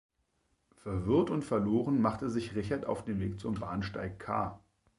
Verwirrt und verloren machte sich Richard auf den Weg zum Bahnsteig K.